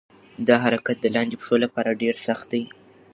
دا حرکت د لاندې پښو لپاره ډېر سخت دی.